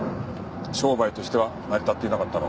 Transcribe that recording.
商売としては成り立っていなかったろう。